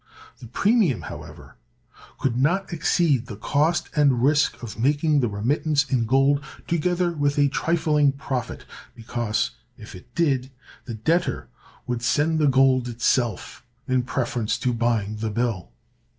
The premium, however, could not exceed the cost and risk of making the remittance in gold, together with a trifling profit; because, if it did, the debtor would send the gold itself, in preference to buying the bill.